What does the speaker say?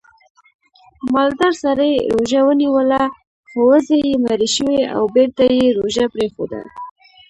مالدار سړي روژه ونیوله خو وزې یې مړې شوې او بېرته یې روژه پرېښوده